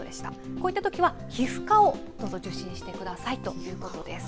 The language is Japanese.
こういったときは、皮膚科をどうぞ受診してくださいということです。